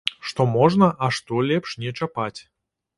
Што можна, а што лепш не чапаць.